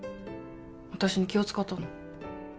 私に気を使ったの？